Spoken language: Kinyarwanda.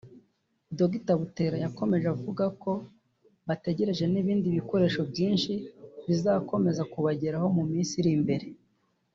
Dr Butera yakomeje avuga ko bategereje n’ibindi bikoresho byinshi bizakomeza kubageraho mu minsi iri imbere